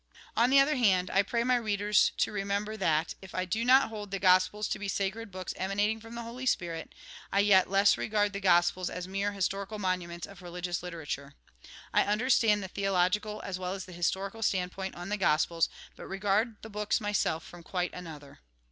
On the other hand, I pray my readers to I'emem ber that, if I do not hold the Gospels to be sacred books emanating from the Holy Spirit, I yet less regard the Gospels as mere historical monuments of 8 THE GOSPEL IN BRIEF religious literature. I understand the theological as well as the historical standpoint on the Gospels, but regard the books myself from quite another.